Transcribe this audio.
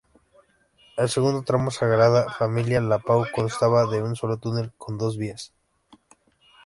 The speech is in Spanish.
El segundo tramo, Sagrada Familia-La Pau, constaba de un solo túnel con dos vías.